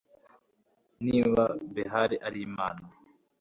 niba behali ari imana